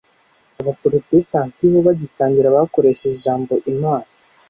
abaporotestanti bo bagitangira bakoresheje ijambo imana